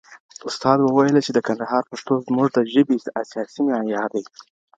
استاد وویل چي د کندهار پښتو زموږ د ژبي اساسي معيار دی.